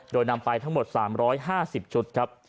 โดยนำไปทั้งหมด๓๕๐ชุดครับ